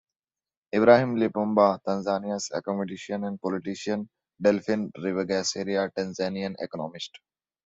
Ibrahim Lipumba, Tanzania's academician and politician; Delphin Rwegasira, Tanzanian economist.